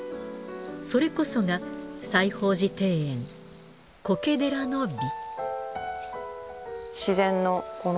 それこそが『西芳寺庭園』苔寺の美。